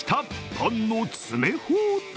パンの詰め放題。